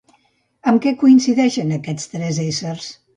Amb què coincideixen aquests tres éssers?